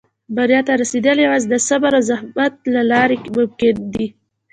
• بریا ته رسېدل یوازې د صبر او زحمت له لارې ممکن دي.